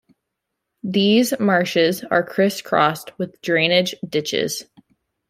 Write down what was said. These marshes are criss-crossed with drainage ditches.